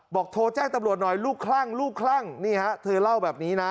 โทรแจ้งตำรวจหน่อยลูกคลั่งลูกคลั่งนี่ฮะเธอเล่าแบบนี้นะ